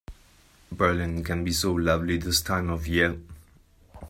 Berlin can be so lovely this time of year.